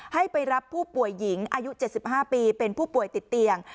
ให้ไปรับผู้ป่วยหญิงอายุ๗๕ปีเป็นผู้ป่วยติดเตียง